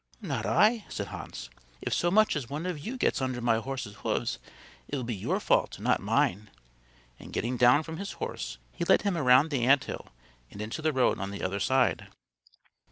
"Not I," said Hans. "If so much as one of you gets under my horse's hoofs it will be your fault and not mine;" and getting down from his horse he led him around the ant hill and into the road on the other side.